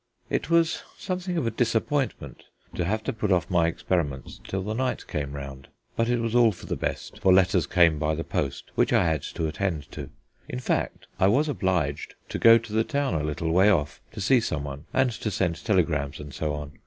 It was something of a disappointment to have to put off my experiments till the night came round. But it was all for the best, for letters came by the post which I had to attend to: in fact, I was obliged to go to the town a little way off to see someone and to send telegrams and so on.